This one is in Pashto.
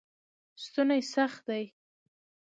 ستوني سخت دی.